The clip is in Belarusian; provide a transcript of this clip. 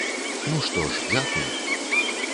Ну што ж, дзякуй.